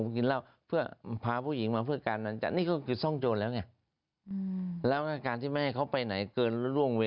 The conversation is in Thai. คือแน่นอนมีคนเชื่อ